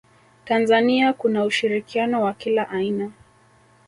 tanzania kuna ushirikiano wa kila aina